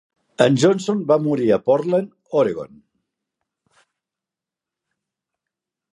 En Johnson va morir a Portland, Oregon.